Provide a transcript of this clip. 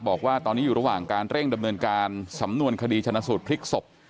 บอกว่าตอนนี้อยู่ระหว่างการเร่งดำเนินการสำนวนคดีชนะสูตรพลิกศพ